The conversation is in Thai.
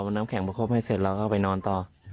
พี่ชายพบให้เสร็จแล้วเข้าไปนอนต่อ